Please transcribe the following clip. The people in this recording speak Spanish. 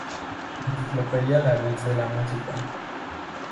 Enciclopedia Larousse de la música.